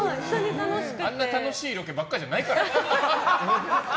あんな楽しいロケばっかじゃないからね。